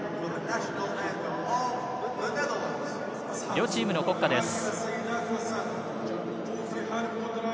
両チームの国歌です。